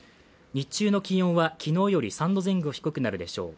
日中の気温は昨日より３度前後低くなるでしょう。